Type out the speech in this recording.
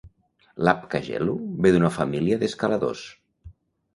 Lhakpa Gelu ve d'una família d'escaladors.